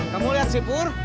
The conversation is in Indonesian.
kamu liat si pur